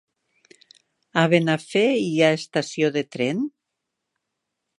A Benafer hi ha estació de tren?